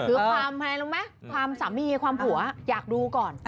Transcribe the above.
คือความอะไรรู้ไหมความสามีความผัวอยากดูก่อน